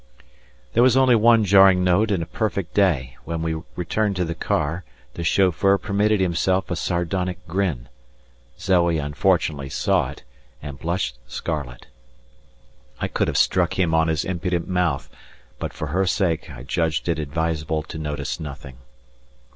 There was only one jarring note in a perfect day; when we returned to the car the chauffeur permitted himself a sardonic grin. Zoe unfortunately saw it and blushed scarlet. I could have struck him on his impudent mouth, but for her sake I judged it advisable to notice nothing.